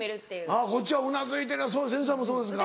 あっこっちはうなずいてる千住さんもそうですか？